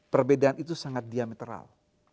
perbedaan itu sangat diametral